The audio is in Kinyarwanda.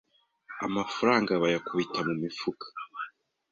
amafaranga bayakubita mu mifuka